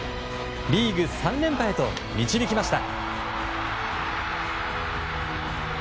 リーグ３連覇へと導きました。